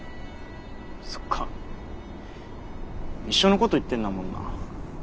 そっか一緒のこと言ってんだもんな。